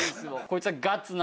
こいつは。